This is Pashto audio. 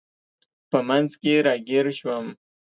په منځ کې راګیر شوم.